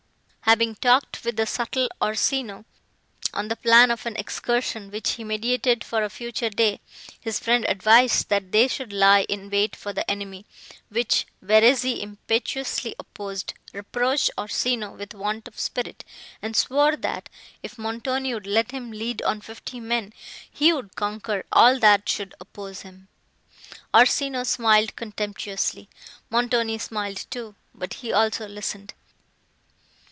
Having talked with the subtle Orsino, on the plan of an excursion, which he meditated for a future day, his friend advised, that they should lie in wait for the enemy, which Verezzi impetuously opposed, reproached Orsino with want of spirit, and swore, that, if Montoni would let him lead on fifty men, he would conquer all that should oppose him. Orsino smiled contemptuously; Montoni smiled too, but he also listened.